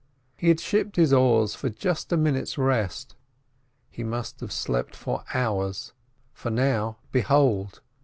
He had shipped his oars just for a minute's rest. He must have slept for hours, for now, behold!